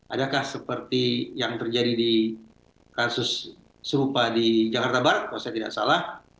adakah seperti yang terjadi di kasus serupa di jakarta barat kalau saya tidak salah